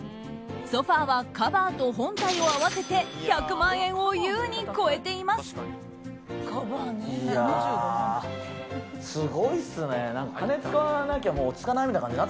ソファはカバーと本体を合わせて１００万円を優に超えています。